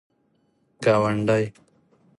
گاونډی